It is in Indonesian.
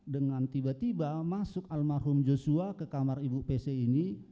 dengan tiba tiba masuk almarhum joshua ke kamar ibu pc ini